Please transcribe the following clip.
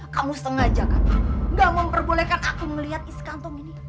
kamu sengaja kan gak memperbolehkan aku melihat iskantong ini